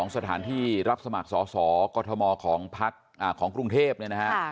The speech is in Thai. สถานที่รับสมัครสอสอกรทมของพักของกรุงเทพเนี่ยนะฮะ